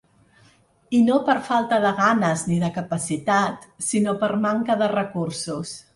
I, no per falta de ganes ni de capacitat, sinó per manca de recursos.